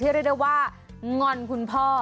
เรียกได้ว่างอนคุณพ่อ